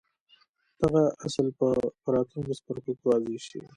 دغه اصل به په راتلونکو څپرکو کې واضح شي.